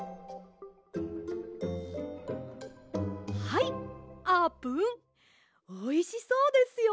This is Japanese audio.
はいあーぷんおいしそうですよ。